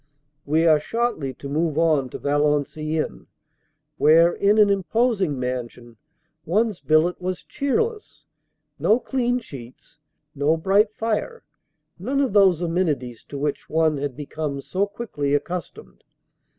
We are shortly to move on to Valenciennes, where, in an imposing mansion, one s billet was cheerless no clean sheets, no bright fire, none of those amenities to which one had become so quickly accustomed.